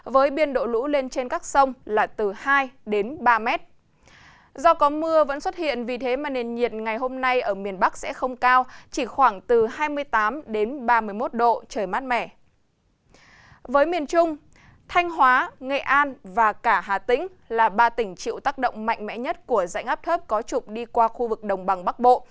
với miền trung thanh hóa nghệ an và cả hà tĩnh là ba tỉnh chịu tác động mạnh mẽ nhất của dãy ngắp thớp có trục đi qua khu vực đồng bằng bắc bộ